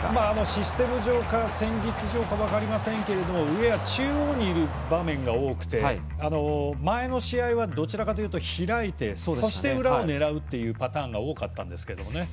システム上か戦術上か分かりませんがウェアが中央にいる場面が多くて前の試合は、どちらかというと開いて、そして裏を狙うというパターンが多かったんですけどね。